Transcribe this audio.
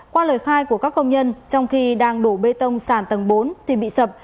qua lời khai của các công nhân trong khi đang đổ bê tông sàn tầng bốn thì bị sập